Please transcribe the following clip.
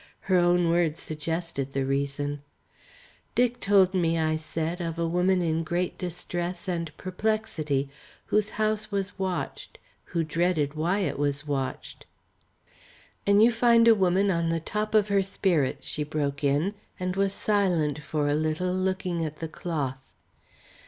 Her own words suggested the reason. "Dick told me," I said, "of a woman in great distress and perplexity, whose house was watched, who dreaded why it was watched " "And you find a woman on the top of her spirits," she broke in, and was silent for a little, looking at the cloth.